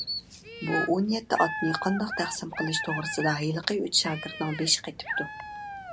بۇ ئون يەتتە ئاتنى قانداق تەقسىم قىلىش توغرىسىدا ھېلىقى ئۈچ شاگىرتنىڭ بېشى قېتىپتۇ.